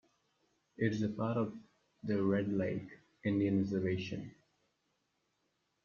It is a part of the Red Lake Indian Reservation.